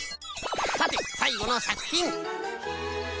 さてさいごのさくひん。